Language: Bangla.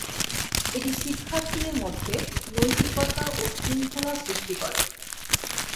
এটি শিক্ষার্থীদের মধ্যে নৈতিকতা ও শৃঙ্খলা সৃষ্টি করে।